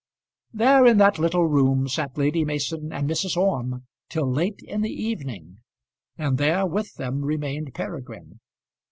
There, in that little room, sat Lady Mason and Mrs. Orme till late in the evening, and there, with them, remained Peregrine.